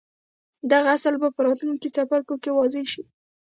دغه اصل به په راتلونکو څپرکو کې واضح شي.